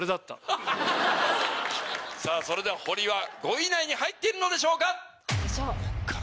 それではホリは５位以内に入っているのでしょうか